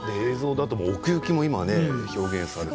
奥行きも表現されていて。